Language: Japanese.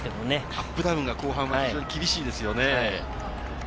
アップダウンが後半は厳しいですよね。